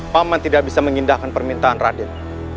paman tidak bisa mengindahkan permintaan raden